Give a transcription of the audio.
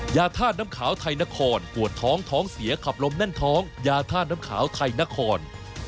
ยาท่าน้ำขาวไทยนครปวดท้องท้องเสียขับลมแน่นท้องยาท่าน้ำขาวไทยนคร